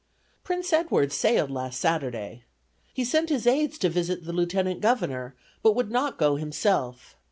... "Prince Edward sailed last Saturday. He sent his aides to visit the Lieutenant Governor, but would not go himself.